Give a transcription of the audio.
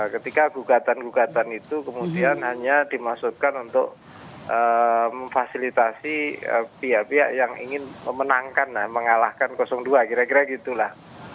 ketika gugatan gugatan itu kemudian hanya dimaksudkan untuk memfasilitasi pihak pihak yang ingin memenangkan lah mengalahkan dua kira kira gitu lah